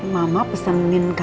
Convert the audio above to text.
mama pesenin kamu sirloin steak ya